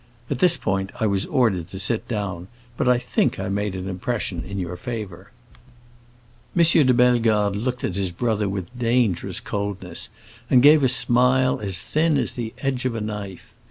At this point I was ordered to sit down, but I think I made an impression in your favor." M. de Bellegarde looked at his brother with dangerous coldness, and gave a smile as thin as the edge of a knife.